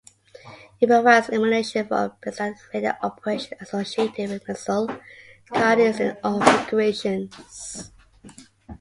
It provides illumination for bistatic radar operation associated with missile guidance in all configurations.